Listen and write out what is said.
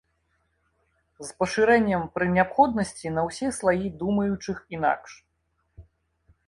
З пашырэннем пры неабходнасці на ўсе слаі думаючых інакш.